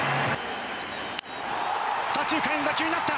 左中間への打球になった。